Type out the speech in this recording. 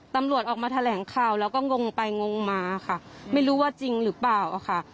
ตำรวจออกมาแถลงข่าวแล้วก็งงไปงงมาค่ะไม่รู้ว่าจริงหรือเปล่าค่ะ